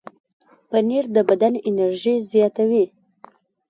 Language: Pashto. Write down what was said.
پنېر د بدن انرژي زیاتوي.